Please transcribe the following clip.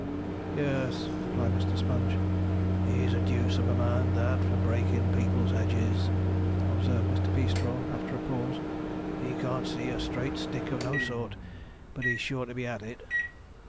'Yes,' replied Mr. Sponge. 'He is a deuce of a man, that, for breaking people's hedges,' observed Mr. Peastraw; after a pause, 'he can't see a straight stick of no sort, but he's sure to be at it.'